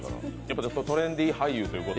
トレンディー俳優ということで。